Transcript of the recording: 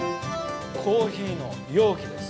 コーヒーの容器です。